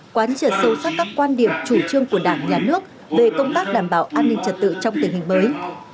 quán triệt sâu sắc các quan điểm chủ trương của đảng nhà nước về công tác đảm bảo an ninh trật tự trong tình hình mới